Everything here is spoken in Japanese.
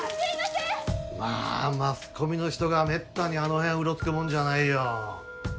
まあマスコミの人がめったにあの辺うろつくもんじゃないよ。